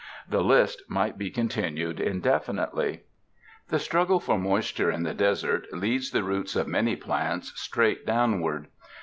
The list might be continued in definitely. The struggle for moisture in the desert leads the roots of many plants straight downward.